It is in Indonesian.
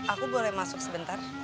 aku boleh masuk sebentar